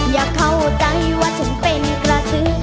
อย่าเข้าใจว่าฉันเป็นกระสือ